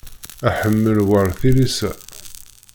Aḥemmel war tilisa.